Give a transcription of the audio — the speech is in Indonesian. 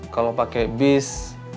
kalau pakai bis